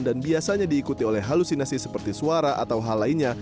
dan biasanya diikuti oleh halusinasi seperti suara atau hal lainnya